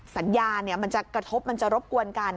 สัญญามันจะกระทบมันจะรบกวนกัน